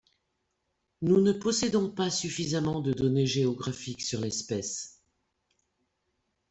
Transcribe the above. Nous ne possédons pas suffisamment de données géographiques sur l'espèce.